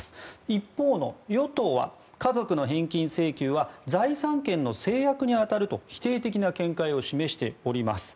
一方の与党は家族の返金請求は財産権の制約に当たると否定的な見解を示しております。